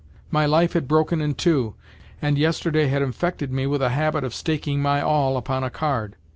My life had broken in two, and yesterday had infected me with a habit of staking my all upon a card.